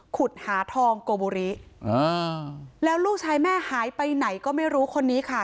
ขุดหาทองโกบุริอ่าแล้วลูกชายแม่หายไปไหนก็ไม่รู้คนนี้ค่ะ